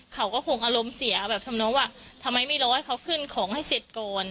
เขาก็คงอารมณ์เสียแบบทำน้องว่าทำไมไม่รอให้เขาขึ้นของให้เสร็จก่อน